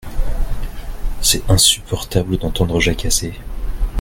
C’est insupportable d’entendre jacasser…